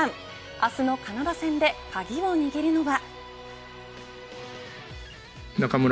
明日のカナダ戦で鍵を握るのは。